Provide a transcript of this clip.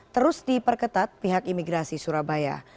terus diperketat pihak imigrasi surabaya